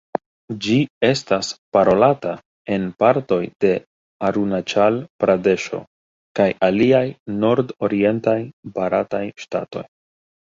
Ĝi estas parolata en partoj de Arunaĉal-Pradeŝo kaj aliaj nordorientaj barataj ŝtatoj.